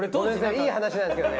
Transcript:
いい話なんですけどね。